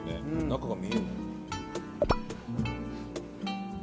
中が見えるもん。